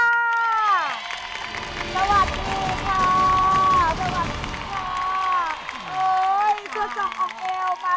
สวัสดีค่า